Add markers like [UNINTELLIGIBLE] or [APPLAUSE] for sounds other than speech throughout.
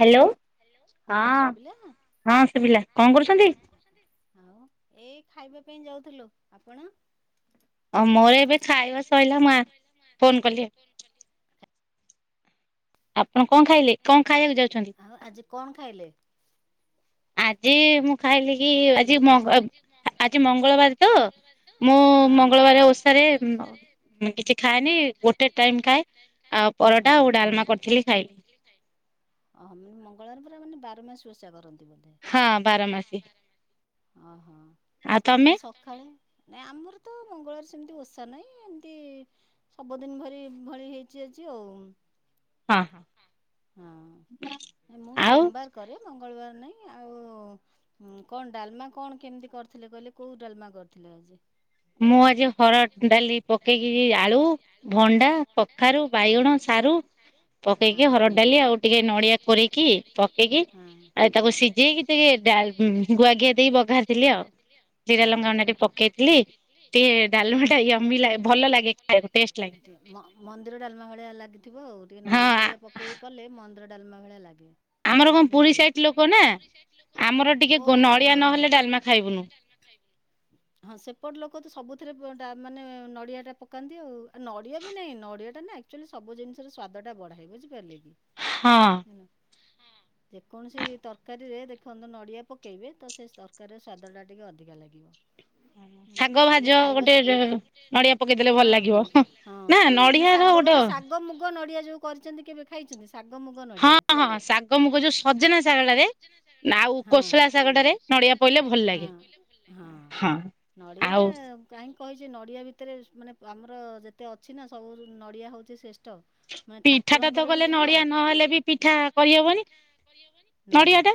Hello ହଁ ଶୁଭିଲା ହଁ ହଁ ଶୁଭିଲା କଣ କରୁଛନ୍ତି? କରୁଛନ୍ତି। ଆଉ ଏଇ ଖାଇବା ପାଇଁ ଯାଉଥିଲୁ ଆପଣ? ଆ ମୋର ଏବେ ଖାଇବା ସଇଲା ମୁ ଫୋନ କଲି ଆଉ। ଆପଣ କଣ ଖାଇଲେ କଣ ଖାଇବାକୁ ଯାଉଛନ୍ତି? ଆଉ ଆଜି କଣ ଖାଇଲେ? ଆଜି ମୁଁ ଖାଇଲି କି ଆଜି ହ୍ୟାଲୋ ମଙ୍ଗ ଆଜି ମଙ୍ଗଳବାର ତ ମୁଁ ହଁ। ମଙ୍ଗଳବାର ଉଷା ରେ କିଛି ଖାଏନି ଗୋଟେ ଟାଇମ ଖାଏ ଆଉ ହଁ ପରଟା ଆଉ ଡାଲମା କରିଥିଲି ଖାଇଲି। ଓହୋ ମାନେ ମଙ୍ଗଳବାର ପରା ମାନ ବାର ମାସ ଓଷା କରନ୍ତି ବୋଧେ। ହଁ ବାରମାସୀ ଓହୋ ଆଉ ମାନେ ନାଇଁ ଆମର ତ ମଙ୍ଗଳବାର ସେମିତି ଓଷା ନାହିଁ ଏମିତି ସବୁଦିନ ଭରି ଭଳି ହେଇଛି ଆଜି ଆଉ। ହଁ ହଁ। ହଁ ମୁଁ ଆଉ ସୋମବାର କରେ ମଙ୍ଗଳବାର ନାଇଁ ଆଉ ହୁଁ କଣ ଡାଲମା କଣ କେମିତି କରିଥିଲେ କହିଲେ କୋଉ ଡାଲମା କରିଥିଲେ ଆଜି? ମୁଁ ଆଜି ହରଡ ଡାଲି ପକେଇକି ଆଳୁ ଭଣ୍ଡା କଖାରୁ ହଁ ବାଇଗଣ ସାରୁ ପକେଇକି ହଁ ହରଡ଼ ଡାଲି ଆଉ ଟିକେ ନଡିଆ କରିକି ପକେଇକି ହଁ ହଁ ଆଉ ତାକୁ ସିଝେଇକି ଟିକେ ଗୁଆଘିଆ ଦେଇ ବାଘାରିଥିଲି ଆଉ ଜିରା ଲଙ୍କା ଗୁଣ୍ଡ ଟିକେ ପକେଇଥିଲି। ଟିକେ ଡାଲମା ଟା ୟମି ଲାଗେ ଭଲ ଲାଗେ ଖାଇବାକୁ ଟେଷ୍ଟ ଲାଗେ ମନ୍ଦିର ଡାଲମା ଭଳିଆ ଲାଗି ଥିବ ଆଉ ଟିକେ ହଁ ନଡିଆ ଫଡିଆ ପକେଇକି କଲେ ମନ୍ଦିର ଡାଲମା ଭଳିଆ ଲାଗେ। ଆମର କଣ ନାଇଁ ପୁରୀ କି? ସାଇଟ ଲୋକ ନା ଆମର ଟିକେ ନଡିଆ ନହେଲେ ଡାଲମା ଖାଇବୁନୁ। ହଁ ସେପଟେ ଲୋକ ତ ସବୁଥିରେ ଡ଼ା ମାନେ ନଡ଼ିଆଟା ପକାନ୍ତି ଆଉ ନଡ଼ିଆ ବି ନାହିଁ ନଡ଼ିଆଟା ନା ଏକ୍ଟୁଆଲି ସବୁ ଜିନିଷର ସ୍ଵାଦଟା ବଢାଏ ବୁଝିପାରିଲେ କି? ହଁ ହଁ। ଯେକୌଣସି ତରକାରୀରେ ଦେଖନ୍ତୁ ନଡିଆ ପକେଇବେ ତ ସେ ତରକାରୀର ସ୍ଵାଦ ଟା ଟିକେ ଅଧିକା ଲାଗିବ। ଲାଗିବ। [INAUDIBLE] ଶାଗ ଭାଜ ଗୋଟେ ନଡିଆ ପକେଇଦେଲେ ହଁ ଭଲ ହଁ ଲାଗିବ ହଁ ନା ମାନେ ନଡିଆର ଶାଗ ଗୋଟେ ମାନେ ଶାଗ ମୁଗ ନଡ଼ିଆ ଯଉ କରିଛନ୍ତି କେବେ ଖାଇଛନ୍ତି? ଶାଗମୁଗ ହଁ ହଁ ଶାଗ ମୁଗ ଯୋଉ ସଜନା ଶାଗଟାରେ ଆଉ ନାଉ କୋଶଳା ଶାଗଟାରେ ନଡିଆ ପଇଲେ ଭଲ ଲାଗେ ହଁ। ନଡ଼ିଆ ଟା କାହିଁକି କହିଛି ନଡ଼ିଆ ଭିତରେ ମାନେ ଆମର ଯେତେ ଅଛି ନା ସବୁ ନଡ଼ିଆ ହଉଛି ଶ୍ରେଷ୍ଠ। ମୁଁ ଠାକୁ ପିଠା ତ କଲେ ନଡିଆ ନହେଲେ ବି ପିଠା କରିହବନି ନା ନଡିଆ ଟା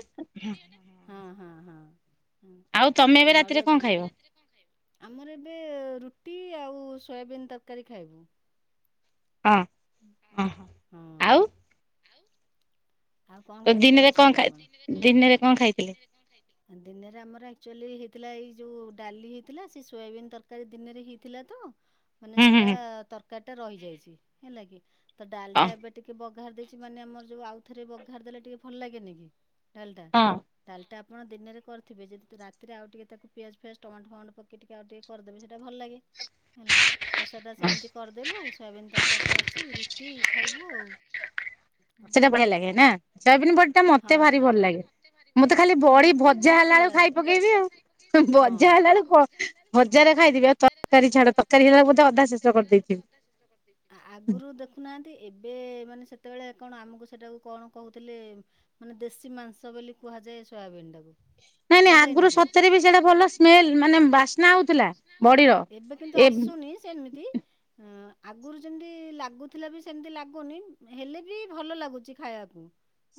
ହଁ ହଁ ହଁ ଆଉ ତମେ ଏବେ ହଁ ରାତିରେ ନଡିଆ କଣ ଗୋଟେ ଖାଇବ? ଆମର ଏବେ ରୁଟି ଆଉ ସୋୟାବିିନ ତରକାରୀ ଖାଇବୁ। ହଁ। ହଁ। ଆଉ ଆଉ କଣ କେମିତି ଦିନରେ କଣ ଅଛନ୍ତି ଖାଇ ଆପଣ? ଦିନରେ କଣ ଖାଇଥିଲେ? ଦିନରେ ଆମର ଆକ୍ଚୁଆଲି ହେଇଥିଲା ଏଇ ଯୋଉ ଡାଲି ହେଇଥିଲା ସେ ସୋୟାବିନ୍ ତରକାରୀ ଦିନରେ ହେଇ ଥିଲା ତ ମାନେ ହୁଁ ହୁଁ ସେଇଟା ହୁଁ ତରକାରୀଟା ରହିଯାଇଚି ହେଲା କିି ତ ଡାଲିଟା ଏବେ ଟିକେ ବଘା ଘାରି ଦେଇଚି ମାନେ ଆମର ଯୋଉ ଆଉଥରେ ବଘାରି ଦେଲେ ଟିକେ ଭଲ ଲାଗେନି କି ଡାଲଟା ହଁ ଡାଲିଟା ଆପଣ ଦିନରେ କରିଥିବେ ଯଦି ରାତିରେ ଆଉ ଟିକେ ତାକୁ ପିଆଜ ଫିଆଜ ଟମାଟ ଫମାଟ ପକେଇ ଟିକେ ଆଉ ଟିକେ କରିଦେବେ ସେଇଟା ଭଲ ଲାଗେ ହେଲା। ତ ସେଇଟା ହଁ ସେମିତି କରିଦେଲୁ ସୋୟାବିିନ ତରକାରୀଟା ଅଛି ରୁଟି ଖାଇବୁ ଆଉ। ସେଟା ଭଲ ଲାଗେ ନା ସୋୟାବିନ ବଡ଼ିଟା ହଁ ମତେ ଭାରି ସେଟା ଭଲ ଲାଗେ। ମୁଁ ତ ଖାଲି ହଁ ବଡ଼ି ମତେ ବି ଭଜା ବହୁତ ହେଲା ଭଲ ବେଳେ ଖାଇ ଲାଗେ ପକେଇବି ଆଉ। ହଁ ଭଜା ହେଲା ବେ କ ଭଜାରେ ଖାଇଥିବି ଆଉ ତରକାରୀ ଛାଡ଼ ତରକାରୀ ହେଲା ବ ବୋଧେ ଅଧା ଶେଷ କରିଦେଇଥିବି। ଆ ଆଗରୁ ଦେଖୁନାହାନ୍ତି ଏବେ ମାନେ ସେତେବେଳେ କଣ ଆମକୁ ସେଟାକୁ କଣ କହୁଥିଲେ ମାନେ ଦେଶୀ ମାଂସ ବୋଲି କୁହାଯାଏ ସୋୟାବିନ୍ ଟାକୁ। ନାଇଁ ନାଇଁ କୁହାଯାଏନି ଆଗରୁ କି? ସତରେ ବି ସେଇଟା ଭଲ ସ୍ମେଲ ମାନେ ବାସ୍ନା ହଉଥିଲା ବଡିର ଏବେ କିନ୍ତୁ ଏ ଆସୁନି ସେମିତି। ହୁଁ ଆଗରୁ ଯେମତି ଲାଗୁଥିଲା ବି ସେମିତି ଲାଗୁନି ହେଲେ ବି ଭଲ ଲାଗୁଛି। ଖାଇବାକୁ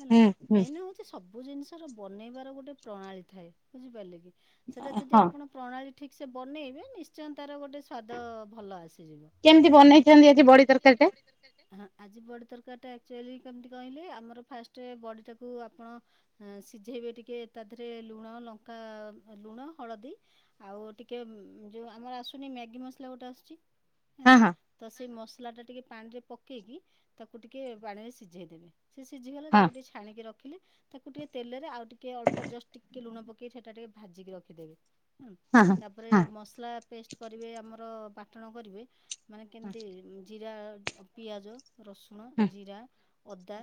ହେଲା ହୁଁ ହୁଁ ମେନ୍ ହଉଚି ସେ ସବୁ ଜିନିଷ ର ବନେଇବାର ଗୋଟେ ପ୍ରଣାଳୀ ଥାଏ ବୁଝିପାରିଲେ କି ସେଟା ଯଦି ହଁ ଆପଣ ପ୍ରଣାଳୀ ଠିକ୍ ସେ ବନେଇବେ ନିଶ୍ଚୟ ତାର ଗୋଟେ ସ୍ୱାଦ ଭଲ ଆସିଯିବ। କେମିତି ବନେଇଚନ୍ତି ଆଜି ବଡ଼ି ତରକାରୀ ଟା? ଆ ଆଜି ବଡ଼ି ତରକାରୀ ଟା ଆକଚୁଆଲି କେମିତି କହିଲେ ଆମର ଫାଷ୍ଟ ବଡ଼ିଟାକୁ ଆପଣ ଅ ସିଝେଇବେ ଟିକେ ତା ଦେହରେ ଲୁଣ ଲଙ୍କା ଲୁଣ ହଳଦୀ ଆଉ ଟିକେ ଯଉଁ ଆମର ଆସୁନି ମ୍ୟାଗି ମସଲା ଗୋଟେ ଆସୁଚି ହେଲା ହଁ ହଁ ତ ସେଇ ମସଲା ଟା ଟିକେ ପାଣିରେ ପକେଇକି ତାକୁ ଟିକେ ପାଣିରେ ସିଝେଇଦେବେ। ସେ ସିଝିଗଲେ ହଁ। ତାକୁ ଟିକେ ଛାଣିକି ରଖିଲି ତାକୁ ଟିକେ ତେଲରେ ଆଉ ଟିକେ ଅଳ୍ପ ଜଷ୍ଟ ଟିକେ ଲୁଣ ପକେଇ ସେଟା ଟିକେ ଭାଜିକି ରଖିଦେବେ। ହଁ ହଁ। ତାପରେ ହଁ ମସଲା ପେଷ୍ଟ କରିବେ ଆମର ବାଟଣ କରିବେ। ମାନେ କେମିତି ଜିରା, ପିଆଜ, ରସୁଣ, ହଁ। ଜିରା, ଅଦା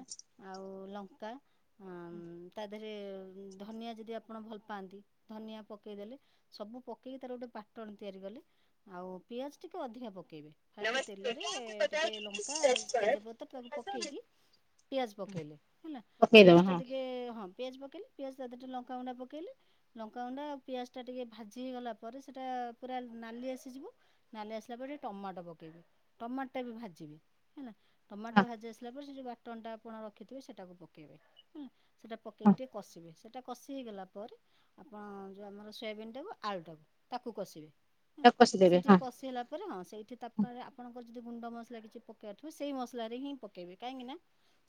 ଆଉ ଉ ଲଙ୍କା ଅ ତା ଦେହରେ ଧନିଆ ଯଦି ଆପଣ ଭଲ ପାଆନ୍ତି ଧନିଆ ପକେଇଦେଲେ। ସବୁ ପକେଇକି ତାର ଗୋଟେ ପାଟଣ ତିଆରି କଲେ ଆଉ ପିଆଜ ଟିକେ ଅଧିକା ପକେଇବେ। ଫାଷ୍ଟ ନମସ୍ତେ ତେଲରେ ଟିକେ ଲଙ୍କା ତେଜପତ୍ର ତାକୁ ପକେଇକି ପିଆଜ ପକେଇଲେ ହେଲା ପକେଇଦବ ପିଆଜ ଟା ହଁ ଟିକେ ଟିକେ ହଁ ପିଆଜ ପକେଇଲି ପିଆଜ ସହିତ ଟେ ଲଙ୍କାଗୁଣ୍ଡ ପକେଇଲି। ଲଙ୍କାଗୁଣ୍ଡ ଆଉ ପିଆଜଟା ଟିକେ ଭାଜି ହେଇଗଲା ପରେ ସେଇଟା ପୁରା ନାଲି ଆସିଯିବ। ନାଲି ଆସିଲା ପରେ ଟମାଟୋ ପକେଇବି ଟମାଟ ଟା ବି ଭାଜିବି ହେଲା। ହଁ ଟମାଟ ଭାଜି ଆସିଲା ପରେ ସେ ଯଉ ବାଟଣ ଟା ଆପଣ ରଖିଥିବେ ସେଟାକୁ ପକେଇବେ ହେଲା। ସେଟା ପକେଇକି ହଁ ଟିକେ କଷିବେ। ସେଟା ଟା କଷି ହେଇଗଲା ପରେ ଆପଣ ଯଉଁ ଆମର ସୋୟାବିନଟାକୁ ଆଳୁଟାକୁ ତାକୁ କଷିବେ। ହଁ ତାକୁ କଷିଦେବେ ସିଏ ହଁ ଟିକେ କଷି ହେଲା ତାପରେ ହଁ ସେଇଠି ତାପରେ ଆପଣଙ୍କର ଯଦି ଗୁଣ୍ଡ ମସଲା କିଛି ପକେଇବାର ଥିବ ସେଇ ମସଲାରେ ହିଁ ପକେଇବେ କାହିଁକି ନା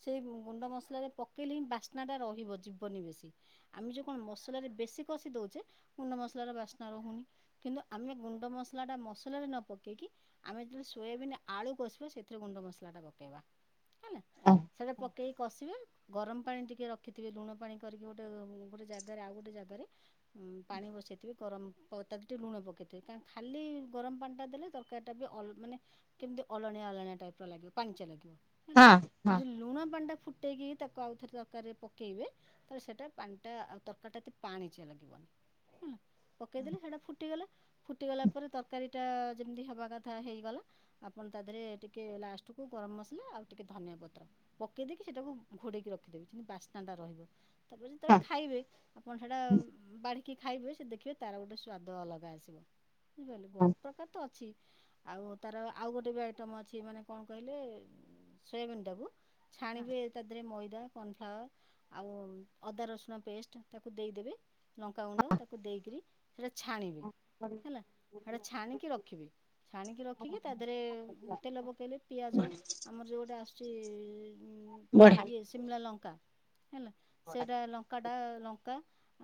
ସେଇ ଗୁଣ୍ଡ ମସଲାରେ ପକେଇଲେ ହିଁ ବାସ୍ନା ଟା ରହିବ ଯିବନି ବେଶୀ। ଆମେ ଯୋଉ କଣ ମସଲାରେ ବେଶୀ କଷି ଦଉଚେ ଗୁଣ୍ଡ ମସଲାର ବାସ୍ନା ରହୁନି। କିନ୍ତୁ ଆମେ ଗୁଣ୍ଡ ମସଲାଟା ମସଲାରେ ନ ପକେଇକି ଆମେ ଯେତବେଳେ ସୋୟାବିନ ଆଳୁ କଷିବା ସେଥିରେ ଗୁଣ୍ଡ ମସଲାଟା ପକେଇବା। ହେଲା ହଁ ସେଇଟା ପକେଇକି କଷିବେ? ଗରମ ପାଣି ଟିକେ ରଖିଥିବେ ଲୁଣ ପାଣି କରିକି ଗୋଟେ ଗୋଟେ ଜାଗାରେ ଆଉ ଗୋଟେ ଜାଗାରେ। ପାଣି ବସାଇଥିବେ ଗରମ ତା ଦେହରେ ଟିକେ ଲୁଣ ପକାଇଥିବେ କା ଖାଲି ଗରମ ପାଣିଟା ଦେଲେ ତର ତରକାରୀଟା ବି ମାନେ କେମିତି ଅଲଣିଆ ଅଲଣିଆ ଟାଇପ ର ଲାଗିବ ପାଣିଚିଆ ଲାଗିବ। ହଁ। ହଁ ଯଉ ଲୁଣ ପାଣି ଟା ଫୁଟେଇକି ତାକୁ ଆଉ ଥରେ ତରକାରୀରେ ପକେଇବେ ତ ସେଟା ପାଣିଟା ଆଉ ତରକାରୀ ଟା ଏତେ ପାଣିଚିଆ ଲାଗିବନି। ହେଲା ପକେଇଦେଲେ ସେଇଟା ଫୁଟିଗଲା ଫୁଟିଗଲା ପରେ ତରକାରୀଟା ଯେମିତି ହେବା କଥା ହେଇଗଲା। ଆପଣ ତା ଦେହରେ ଟିକେ ଲାଷ୍ଟ କୁ ଗରମ ମସଲା ଆଉ ଟିକେ ଧନିଆପତ୍ର ପତ୍ର ପକେଇ ଦେଇକି ସେଟାକୁ ଘୋଡ଼େଇକି ରଖିଦେବେ କିମତି ବାସ୍ନାଟା ରହିବ। ତାପ ବୋଲେ ଖାଇବେ ଆପଣ ସେଟା ଆ ବାଢି କି ଖାଇବେ ସେ ଦେଖିବେ ତାର ଗୋଟେ ସ୍ଵାଦ ଅଲଗା ଆସିବ ବୁଝିପାରିଲେ ହଁ ବହୁତ ପ୍ରକାର ତ ଅଛି। ଆଉ ତାର ଆଉ ଗୋଟେ ବି ଆଇଟମ୍ ଅଛି ମାନେ କଣ କହିଲେ ସୋୟାବିନ୍ ଟାକୁ ଛାଣିବେ ତା ଧୀରେ ମଇଦା କର୍ଣ୍ନଫ୍ଲାୱାର୍ ଆଉ ଅଦା ରସୁଣ ପେଷ୍ଟ ତାକୁ ଦେଇଦେବେ? ଲଙ୍କାଗୁଣ୍ଡ ତାକୁ ଦେଇକରି ସେଇଟା ଛାଣିବେ ହେଲା ସେଇଟା ଛାଣିକି ରଖିବେ ଛାଣିକି ରଖିକି ତା ଦେହରେ ତେଲ ପକାଇଲେ ପିଆଜ ଆମର ଯେଉଁଟା ଆସୁଛି ଉଁ ବଢିଆ ଇଏ ଶିମଲା ଲଙ୍କା ହେଲା ସେଟା ଲ କଟା ଲଙ୍କା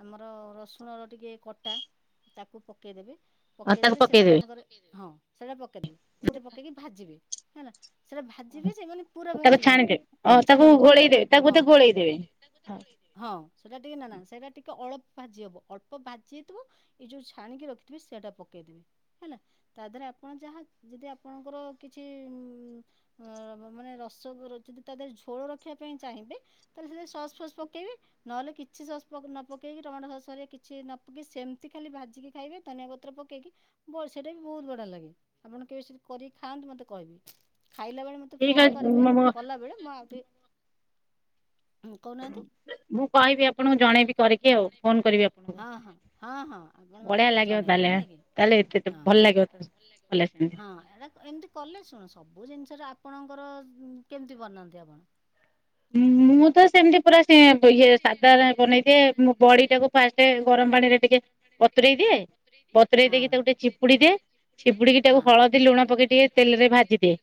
ଆମର ରସୁଣର ଟିକେ କଟା ତାକୁ ପକେଇଦେବେ। ଆଉ ତାକୁ ପକେଇଦେଲେ ସେଇଟା ପକେଇଦେବେ ମନେକରେ ହଁ ସେଟା ପକେଇଦବ ସେଇଟା ପକେଇକି ଭାଜିବେ ହେଲା। ସେଟା ଭାଜିବେ ସେ ମାନେ ପୁରା ତାକୁ ଭାଜିବେନି ଛାଣିଦେବେ ଅ କଞ୍ଚା ତାକୁ ରହିବ ଟିକେ ଗୋଳେଇଦେବେ ତାକୁ ହଁ। ବୋଧେ ଗୋଳେଇଦେବେ। ହଁ ହଁ ସେଟା ଟିକେ ନା ନା ସେଇଟା ଟିକେ ଅଳ୍ପ ଭାଜି ହବ ଅଳ୍ପ ଭାଜି ହେଇଥିବ ଏଇ ଯୋଉ ଛାଣିକି ରଖିଥିବେ ସେଇଟା ପକେଇଦେବେ? ହେଲା ତା ଦେହରେ ଆପଣ ଯାହା ଯଦି ଆପଣଙ୍କର କିଛି ଉଁ ଅଁ ମାନେ ରସ ଉ ଯଦି ତା ଦେହରେ ଝୋଳ ରଖିବା ପାଇଁ ଚାହିଁବେ ତାହେଲେ ସେ ସସ୍ ଫସ୍ ପକେଇବେ? ନହେଲେ କିଛି ସସ୍ ନ ପକେଇକି ଟମାଟୋ ସସ କିଛି ନ ପକେଇ ସେମିତି ଖାଲି ଭାଜିକି ଖାଇବେ ଧନିଆ ପତ୍ର ପକେଇକି ବ ସେଇଟା ବି ବହୁତ ବଢିଆ ଲାଗେ ଆପଣ କେବେ ସେମିତି କରିକି ଖାଆନ୍ତୁ ମତେ କହିବେ। ଖାଇଲା ବେଳେ ମତେ ଠିକ ଫୋନ ଅଛି କରିବେ ମୁଁ କଲାବେେଳେ ମଁ ଆଉ ଟିକେ ହଁ କହୁନାହାନ୍ତି। ମୁଁ କହିବି ଆପଣଙ୍କୁ ଜଣେଇବି କରିକି ଆଉ ଫୋନ କରିବି ଆପଣଙ୍କୁ। ହଁ ହଁ ହଁ ହଁ। ଆପଣ ମତେ ବଢିଆ ଟିକେ ଲାଗିବ ଜଣେଇବେ ତାହେଲେ ହେଲା କି ତାହେଲେ ଏତେ ହଁ ଭଲ ଲାଗିବ ଭଲ ସେମିତି ହଁ ଏଟା ଏମିତି କଲେ ଶୁଣ ସବୁ ଜିନିଷରେ ଆପଣଙ୍କର କେମିତି ବନାନ୍ତି ଆପଣ? ହଁ ମୁଁ ତ ସେମତି ପୁରା ସେ ଇଏ ସାଧା ବନେଇ ଦିଏ ବଡି ଟାକୁ ଫାଷ୍ଟ ଗରମ ପାଣି ରେ ଟିକେ ବତୁରେଇ ଦିଏ ବତୁରେଇ ହଁ ଦେଇକି ତାକୁ ଗୋଟେ ଚିପୁଡି ଦ ଚିପୁଡିକି ହଁ ତାକୁ ହଳଦୀ ଲୁଣ ପକେଇ ଟିକେ ତେଲରେ ଭାଜିଦିଏ।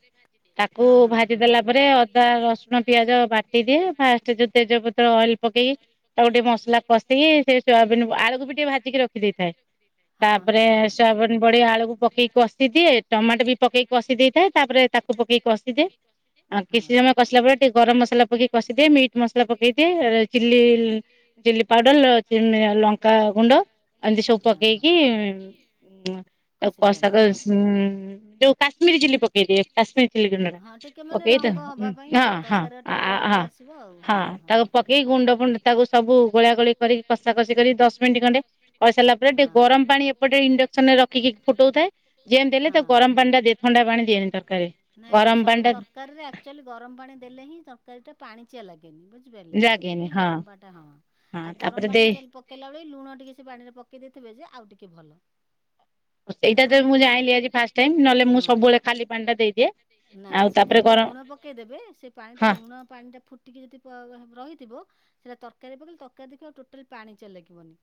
ତାକୁ ହଁ ହଁ ଭାଜି ହଁ ଦେଲା ତାକୁ ପରେ ଭାଜି ଦେଲା ଅଦା ପରେ ରସୁଣ ଅଦା ପିଆଜ ର ବାଟି ଦିଏ ଫାଷ୍ଟ ଯଦି ତେଜପତ୍ର ଅଏଲ ପକେଇକ ତାକୁ ଟିକେ ମସଲା କଷିକି ସେ ସୋୟାବିନ ଆଳୁକୁ ବି ଟିକେ ଭାଜିକି ରଖି ଦେଇଥାଏ। ହଁ ତାପରେ ହଁ ହଁ। ସୋୟାବିନ ବଡି ଆଳୁକୁ ପକେଇକି କଷିଦିଏ ଟମାଟୋ ବି ପକେଇକି କଷି ଦେଇଥାଏ ତାପରେ ତାକୁ ପକେଇି କଷିଦିଏ ଆଉ କିଛି ହଁ ସମୟ କଷିଲା ପରେ ଟିକେ ଗରମ ମସଲା ପକେଇ କଷିଦିଏ ମିଟ୍ ମସଲା ମସଲା ପକେଇଦିଏ ଅ ଚିଲି ଚିଲି ପାଉଡର ଲ-ଲଙ୍କା ଗୁଣ୍ଡ ଅନ୍ତି ସବୁ ହଁ ହଁ ପକେଇକି ଆଉ କଷି କୋଷା ଦିଅନ୍ତି କ ଉ ଆପଣ। ଯୋଉ କାଶ୍ମୀରୀ ଚିଲି ପକେଇଦିଏ କାଶ୍ମୀରୀ ଚିଲ୍ଲି ଗୁଣ୍ଡ ଟା। କେ ମାନେ ପକେଇ ତ ରଙ୍ଗ ହେବା ହଁ ପାଇଁ ଆଉ ହଁ ତରକାରୀରେ ଟିକେ ରଙ୍ଗ ହଁ ଆସିବ ଆଉ। ହଁ ତାକୁ ପକେଇି ଗୁଣ୍ଡ ଫୁଣ୍ଡ ତାକୁ ସବୁ ଗୋଳା ଗୋଳି କରି କଷାକଷି କରି ଦଶ ମିନିଟ୍ ଖଣ୍ଡେ କରିସାରିଲା ପରେ ହଁ ଟିକେ ଗରମ ପାଣି ଏପଟେ ଇଣ୍ଡକ୍ସନ ରେ ରଖିକି ଫୁଟୋଉ ଥାଏ ଯେମିତି ହେଲେ ତା ଗରମ ପାଣି ଟା ଦେଇ ନାଇ ନାଇ ସବୁ ଟା ତ କାରୀରେ ଆକ୍ଚୁଆଲି ଗରମ ପାଣି ଦେଲେ ହିଁ ତରକାରୀଟା ପାଣିିଚିଆ ଲାଗେନି ବୁ ଝି ପାରିଲେ କି ଲାଗେନି ସେଥିପାଇଁ ହଁ ଗରମ ପାଟା ହଁ ହଁ ଆଉ ତାପରେ ଗରମ ପାଣି ଦେଇ ଟା ଯାଲେ ପ କେଇଲା ବେଳେ ଲୁଣ ଟିକେ ସେ ପାଣିରେ ପକେଇ ଦେଇଥିବେ ଯେ ଆଉ ଟିକେ ଭଲ। ସେଇଟା କାରଣ ତ ଆମେ ମୁଁ ଲୁଣ ଜାଣିଲି ଆଜି ଫାଷ୍ଟ ଟାଇମ ନହେଲେ ମୁଁ ହଁ। ସବୁବେଳେ ଖାଲି ପାଣି ଟା ଦେଇଦିଏ। ନା ନା ଆଉ ସେଥିରେ ତାପରେ ଟିକେ ଗରମ ଲୁଣ ପକେଇଦେବେ ସେ ପାଣିଟା ହଁ ଲୁଣ ପାଣିଟା ଟିକେ ଯଦି ପ [UNINTELLIGIBLE] ରହିଥିବ ସେରା ତରକାରୀରେ ପକେଇଲେ ତରକାରୀ ଦେଖିବ ଆଉ ଟୋଟାଲି ପାଣିଚିଆ ଲାଗିବନି।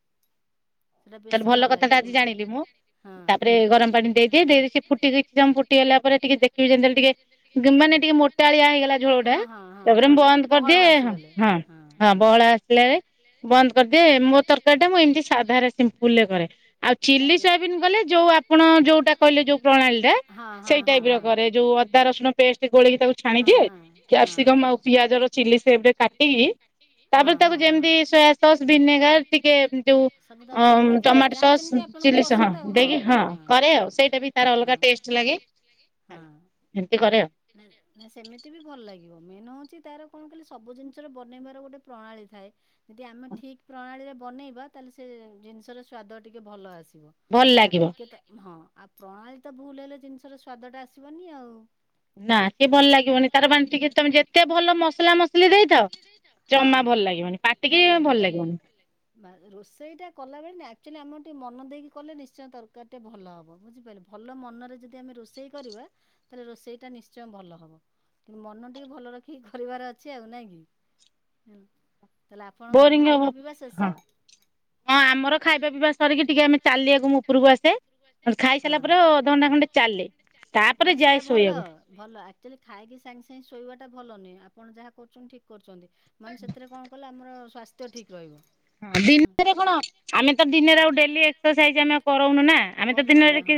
ସେଇଟା ବେଶୀ ତାହେଲେ ଭଲ କଥା ଟା ଲାଗିବ ଆଜି ମାନେ ଜାଣିଲି ମୁଁ। ହଁ। ତାପରେ ଗରମ ପାଣି ଦେଇଦିଏ ଦେଇଦେଇକି ଫୁଟିକିଛି ତମ ଫୁଟିଗଲା ପରେ ଟିକେ ଦେଖିବି ଯେମତି ହେଲେ ଟିକେ [UNINTELLIGIBLE] ମାନେ ଟିକେ ମୋଟାଳିଆ ହେଇଗଲା ଝୋଳଟା ହଁ ହଁ ହଁ ତାପରେ ଝୋଳଟା ଟିକେ ବନ୍ଦ ବହଳ କରିଦିଏ ହଁ ଆସିଗଲେ ହଁ ହଁ ବହଳା ଆସିଲା ଯାଇ ବନ୍ଦ କରିଦିଏ ମୋ ତରକାରୀ ଟା ମୁଁ ଏମତି ସାଧାରେ ସିଂ ପୂଲ୍ ରେ କରେ ଆଉ ନାଇଁ ଚିଲି ଯେ ସୋୟାବିନ୍ କଲେ ଯୋଉ ଆପଣ ଯୋଉଟା କହିଲେ ଯୋଉ ପ୍ରଣାଳୀଟା ହଁ ହଁ ସେଇ ହଁ ଟାଇପର ହଁ। କରେ ଯୋଉ ଅଦା ରସୁଣ ପେଷ୍ଟ୍ ଗୋଳେଇକି ତାକୁ ହଁ ଛାଣିଦିଏ ହଁ ହଁ କ୍ୟାପ୍ସିକମ୍ ଆଉ ପିଆଜର ଚିଲି ସେପ୍ ରେ କାଟିକି ତାପରେ ହଁ ତାକୁ ହଁ ହଁ। ଯେମ୍ତି ସୋୟା ସସ୍ ଭିନେଗାର୍ ଟିକେ ଯୋଉ ସବୁ ଦବା ଅଂ କଥା ଯେମିତି ଟମାଟ୍ ଯାହା ସସ୍ ଯେମିତି ଆପଣଙ୍କୁ ଚିଲି ସ ହଁ ପସନ୍ଦ ଆଉ ଦେଇକି ହଁ କରେ ଆଉ ସେଇଟା ବି ତାର ହଁ। ଅଲଗା ଟେଷ୍ଟ୍ ଲାଗେ। ହଁ। ଏମତି କରେ ଆଉ। ନାଇ ନାଇ ସେମିତି ବି ଭଲ ଲାଗିବ ମେନ୍ ହଉଛି ତାର କଣ କଇଲେ ସବୁ ଜିନିଷର ବନେଇବାର ଗୋଟେ ପ୍ରଣାଳୀ ଥାଏ। ଯେଦି ଆମେ ଠିକ୍ ପ୍ରଣାଳୀରେ ବନେଇବା ତାହେଲେ ସେ ଜିନିସ୍ ର ସ୍ଵାଦ ଟିକେ ଭଲ ଆସିବ। ଭଲ ଆଉ ଲାଗିବ। ଟିକେ ତ ହଁ ଆଉ ପ୍ରଣାଳୀ ତ ଭୁଲ୍ ହେଲେ ଜିନିଷର ସ୍ଵାଦ ଟା ଆସିବନି ଆଉ। ନା ସେ ଭଲ ଲାଗିବନି ତାର ବାଂ ଟିକେ ତମେ ଯେତେ ଭଲ ମସଲା ମସଲି ଦେଇଥାଅ ହଁ ଜମା ଭଲ୍ ଲାଗିବନି ପାଟିକି ଭଲ୍ ଲାଗିବନି। ବା ରୋଷେଇଟା କଲାବେଳେ ନା ଆକ୍ଚୁଆଲି ଆମର ଟିକେ ମନ ଦେଇକି କଲେ ନିଶ୍ଚୟ ତରୀକାରି ଟେ ଭଲ ହବ ବୁଝିପାଇଲ ଭଲ ମନରେ ଯଦି ଆମେ ରୋଷେଇ କରିବା ତାଲେ ରୋଷେଇଟା ନି ଶ୍ଚୟ ଭଲ ହବ କିନ୍ତୁ ମନ ଟିକେ ଭଲ ରଖିକି କରିବାର ଅଛି ଆଉ ନାଇଁ କି। ହୁଁ। ବୋରିଂ ଆଉ ହ ହଁ। ହଁ ଆମର ଖାଇବା ପିଇବା ସରିକି ଟିକେ ଆମେ ଚାଲିିବାକୁ ମୁଁ ଉପରକୁ ଆସେ। [UNINTELLIGIBLE] ଖାଇ ହଁ। ସାରଲା ପରେ ଅଧଘଣ୍ଟା ଖଣ୍ଡେ ଚାଲେ ନାଇଁ ତାପରେ ନାଇଁ ସେଇଟା ଯାଏ ଭଲ ଶୋଇବାକୁ। ଭଲ ଆକ୍ଚୁଆଲି ଖାଇକି ସାଙ୍ଗ୍ ସାଙ୍ଗେ ଶୋଇବାଟା ଭଲ ନୁହଁ ଆପଣ ଯାହା କରୁଛନ୍ତି ଠିକ୍ କରୁଛନ୍ତି। ମାନେ ସେଥିରେ କଣ କଲେ ଆମର ସ୍ୱାସ୍ଥ୍ୟ ଠିକ୍ ରହିବ। ହଁ ଦିନରେ କଣ ଆମେ ତ ଦିନରେ ଆଉ ଡେଲି ଏକ୍ସସସାଇଜ୍ ଆମେ କରଉନୁ ନା ଆମେ ତ ଦିନରେ କରିପାରୁନି କି ହଁ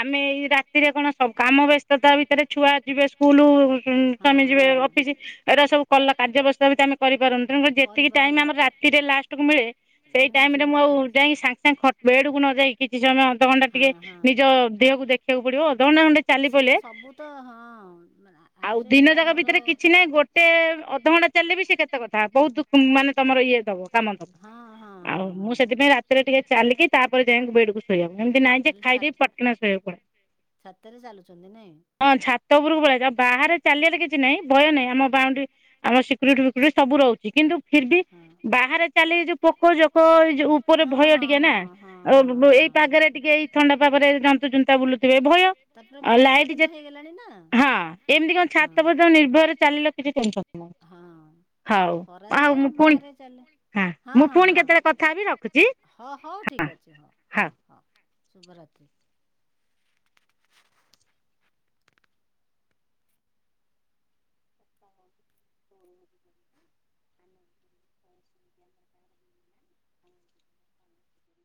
ଆମେ ଏଇ ରାତିରେ କଣ ସଉ କାମ ବ୍ୟସ୍ତତା ଭିତରେ ଛୁଆ ଯିବେ ସ୍କୁଲୁ ଉଁ ହଁ ସ୍ଵାମୀ ଯିବେ ହଁ ଅଫିସି ଏରା ସବୁ କଲା କାର୍ଯ୍ୟବସ୍ଥା ବି ତ ଆମେ କରିପାରୁନୁ ତେଣୁ କରି ଯେତିକି ଟାଇମ୍ ଆମର କରିପାରୁନି। ରାତିରେ ଲାଷ୍ଟ କୁ ମିଳେ ସେଇ ମିଳୁଛି ଟାଇମରେ ମୁଁ ଆଉ ବାସ୍ ଯାଇଁକି ସାଙ୍ଗ୍ ସାଙ୍ଗ୍ ଖ ବେଡକୁ ନ ଯାଇକି କିଛି ସମୟ ଅଧଘଣ୍ଟା ହଁ ଟିକେ ନିଜ ହଁ ଦେହକୁ ଦେଖିଆକୁ ପଡିବ ଅଧଘଣ୍ଟା ଘଣ୍ଟେ ଚାଲି ସେଟା ପଲେ ସବୁ ତ ହଁ ଆ ଆକ୍ଚୁଆଲି ଆମର ସେ ଅଧଘଣ୍ଟା ଚାଲ୍ ଲେ ବି ସେ କେତେ କଥା ବହୁତ୍ ଦୁ ମାନେ ତମର ଇଏ ଦବ। କାମ ଦବ ହଁ ହଁ ଆଉ ହଁ ମୁଁ ହଁ ସେଥିପାଇଁ ରାତିରେ ଟିକେ ଚାଲିକି ତାପରେ ଯାଏଁ ବେଡ୍ କୁ ଶୋଇବାକୁ ଏମିତି ନାହିଁ ଯେ ତାହେଲେ ଛା ଖାଇଦେଇ ପଟ୍ କିନା ଶୋଇବାକୁ ପଡ଼େ। ଛାତରେ ଚାଲୁଛନ୍ତି ନାଇଁ? ହଁ ଛାତ ଉପରକୁ ପଳାଇଛି ଆଉ ବାହାରେ ଚାଲିବାରେ କିଛି ନାଇ ଭୟ ନାଇ ଆମ ବାଉଣ୍ଡ୍ରି ଆମ ସି କୁରିଟି ଫି [UNINTELLIGIBLE] ସବୁ ରହୁଚି କିନ୍ତୁ ଫିର୍ ଭି ହଁ ବାହାରେ ଚାଲି ଏ ଯୋଉ ପୋକ ଜୋକ ଏଇ ଯୋଉ ଉପରେ ହଁ ଭୟ ହଁ ଟିକେ ନା ହଁ ହଁ ଆଉ ହଁ ଅ ଏଇ ହଁ ପାଗରେ ଟିକେ ଏଇ ଥଣ୍ଡା ପାଗରେ ଜନ୍ତୁ ଜୁନ୍ତା ବୁଲୁଥିବେ ଭୟ। ତାପରେ ଆଉ ବର୍ଷା ଲାଇଟ୍ ଯେ ଦିନ ହେଇଗଲାଣି ନା ହଁ ଏମିତି କଣ ଛାତ ହଁ ପର୍ଯ୍ୟନ୍ତ ନିର୍ଭରରେ ଚାଲିଲ କିଛି ଟେନସନ୍ ନାହିଁ। ହଁ। ହାଇ ଦିନେ ବାହାରେ ଚାଲେ। ହଁ ପୁଣି ହଁ ହଁ କେତେବେଳେ କଥା ହେବି ରଖୁଛି ହଁ ହଉ ଠିକ ଅଛି ହଉ ହଉ। ହଁ ଶୁଭରାତ୍ରି।